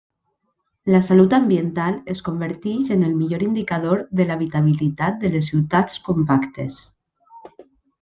La salut ambiental es converteix en el millor indicador de l'habitabilitat de les ciutats compactes.